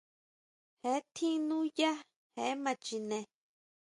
Jee tjín núyá, je ma chine.